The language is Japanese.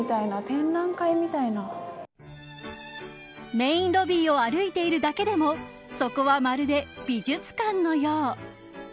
メーンロビーを歩いているだけでもそこはまるで美術館のよう。